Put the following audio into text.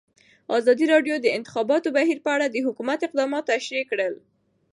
ازادي راډیو د د انتخاباتو بهیر په اړه د حکومت اقدامات تشریح کړي.